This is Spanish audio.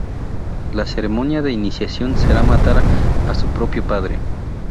La ceremonia de iniciación será matar a su propio padre.